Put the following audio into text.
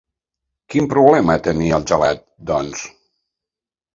Quin problema tenia el gelat, doncs?